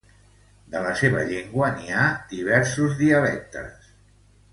De la seva llengua n'hi ha diversos dialectes.